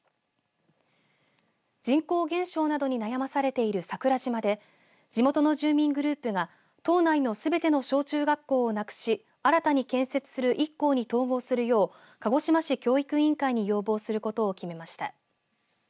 人口減少などに悩まされている桜島で地元の住民グループが島内のすべての小中学校をなくし新たに建設する１校に統合するよう鹿児島市教育委員会に要望することを決めました。